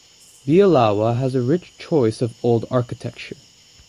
Bielawa has a rich choice of old architecture.